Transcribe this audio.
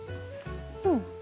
うん。